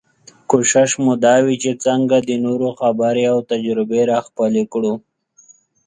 کوشش مو دا وي چې څنګه د نورو خبرې او تجربې راخپلې کړو.